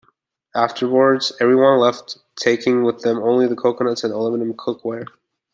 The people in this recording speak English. Afterwards, everyone left, taking with them only the coconuts and aluminium cookware.